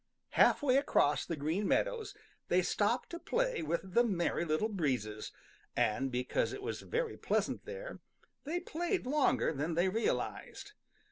Half way across the Green Meadows they stopped to play with the Merry Little Breezes, and because it was very pleasant there, they played longer than they realized.